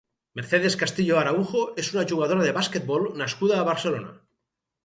Mercedes Castillo Araujo és una jugadora de basquetbol nascuda a Barcelona.